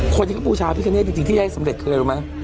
คนที่ก็บูชาพระพิการ์เนตจริงที่ให้สำเร็จเคยรู้ไหม